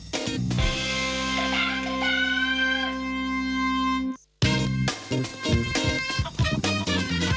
สวัสดีค่ะ